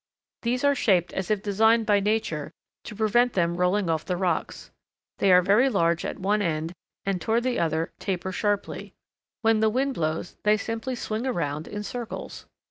These are shaped as if designed by nature to prevent them rolling off the rocks. They are very large at one end and toward the other taper sharply. When the wind blows they simply swing around in circles.